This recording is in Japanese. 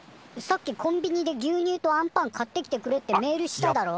さっき「コンビニで牛乳とあんパン買ってきてくれ」ってメールしただろ？